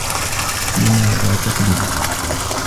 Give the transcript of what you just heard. لِماذا تَكْذِبُ؟